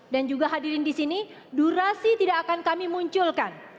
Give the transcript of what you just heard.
dan juga hadirin disini durasi tidak akan kami munculkan